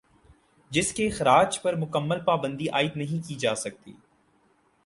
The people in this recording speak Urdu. جس کے اخراج پر مکمل پابندی عائد نہیں کی جاسکتی